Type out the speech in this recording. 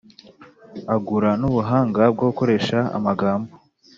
agura n’ubuhanga bwo gukoresha amagambo.